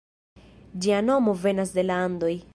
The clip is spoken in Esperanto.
Ĝia nomo venas de la Andoj.